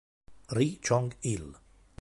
Ri Chong-il